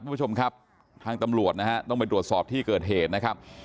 คุณผู้ชมครับทางตำรวจนะฮะต้องไปตรวจสอบที่เกิดเหตุนะครับ